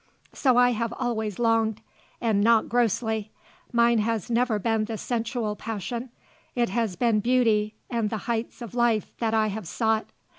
So I have always longed; and not grossly; mine has never been the sensual passion; it has been beauty and the heights of life that I have sought.